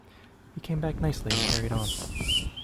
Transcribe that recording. He came back nicely and carried on.